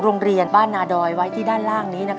โรงเรียนบ้านนาดอยไว้ที่ด้านล่างนี้